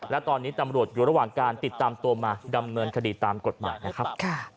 และตอนนี้ตำรวจอยู่ระหว่างการติดตามตัวมาดำเนินคดีตามกฎหมายนะครับ